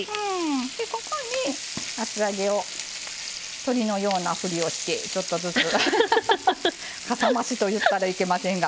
ここに厚揚げを鶏のようなふりをしてちょっとずつ、かさ増しといったらいけませんが。